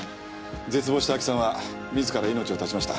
絶望した亜紀さんは自ら命を断ちました。